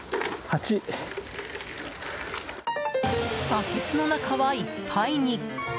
バケツの中はいっぱいに。